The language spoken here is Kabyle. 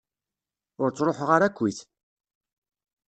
Ur truḥuɣ ara akkit.